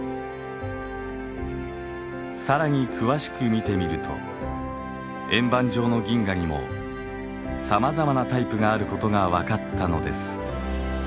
更に詳しく見てみると円盤状の銀河にもさまざまなタイプがあることがわかったのです。